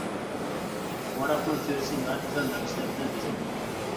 ۋاراقنىڭ چۆرىسى ناھايىتى گۈزەل نەقىشلەر بىلەن بېزەلگەن.